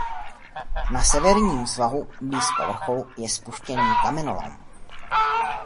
Na severním svahu blízko vrcholu je opuštěný kamenolom.